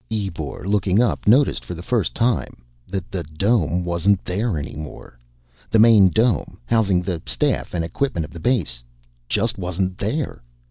Ebor, looking up, noticed for the first time that the dome wasn't there any more. The main dome, housing the staff and equipment of the base, just wasn't there.